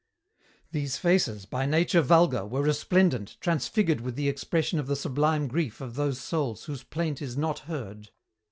These faces, by nature vulgar, were resplendent, transfigured with the expression of the sublime grief of those souls whose plaint is not heard.